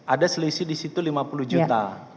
ada selisih disitu lima puluh juta